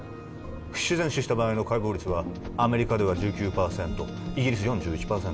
不自然死した場合の解剖率はアメリカでは１９％イギリス４１％